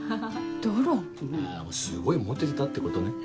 すごいモテてたってことね。